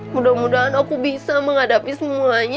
mudah mudahan aku bisa menghadapi semuanya